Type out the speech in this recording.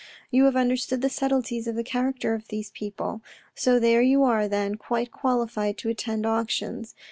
You have understood the subtleties of the character of those people. So there you are then, quite qualified to attend auctions.